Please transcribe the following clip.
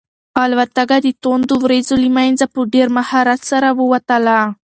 الوتکه د توندو وریځو له منځه په ډېر مهارت سره ووتله.